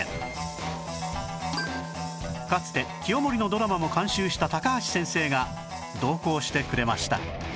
かつて清盛のドラマも監修した橋先生が同行してくれました